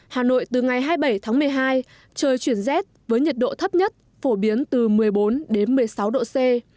hà nội từ ngày hai mươi bảy tháng một mươi hai trời chuyển rét với nhiệt độ thấp nhất phổ biến từ một mươi bốn đến một mươi sáu độ c